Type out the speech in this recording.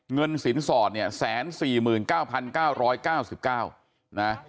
เงินสินสอด๑๔๙๙๙๙